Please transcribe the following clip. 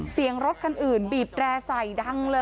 เสียงรถคันอื่นบีบแร่ใส่ดังเลย